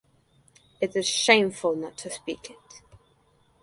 It is shameful not to speak it.